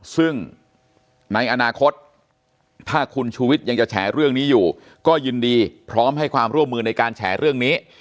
ซึ่งในอนาคตถ้าคุณชูวิทย์ยังจะแฉเรื่องนี้อยู่ก็ยินดีพร้อมให้ความร่วมมือในการแฉเรื่องนี้